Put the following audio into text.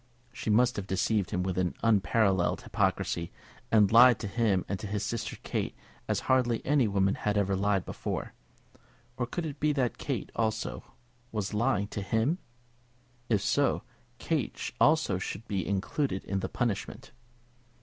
She must have deceived him with unparalleled hypocrisy, and lied to him and to his sister Kate as hardly any woman had ever lied before. Or could it be that Kate, also, was lying to him? If so, Kate also should be included in the punishment.